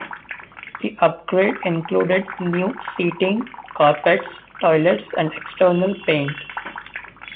The upgrade included new seating, carpets, toilets and external paint.